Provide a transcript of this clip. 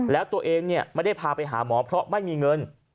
แล้วตัวเองไม่ได้พาไปหาหมอเพราะไม่มีเงิน